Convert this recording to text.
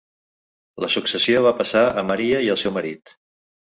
La successió va passar a Maria i al seu marit.